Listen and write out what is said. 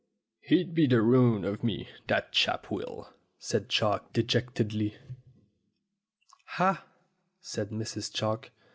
"He'll be the ruin of me, that chap will," said Chalk dejectedly. "Ah!" said Mrs. Chalk.